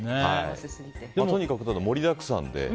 とにかく、盛りだくさんで。